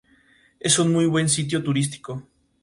Es un muy buen sitio turístico.